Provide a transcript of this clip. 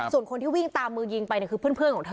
ส่วนคนที่วิ่งตามมือยิงไปเนี่ยคือเพื่อนของเธอ